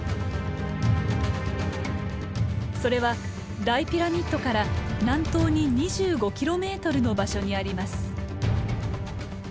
それは大ピラミッドから南東に２５ｋｍの場所にあります。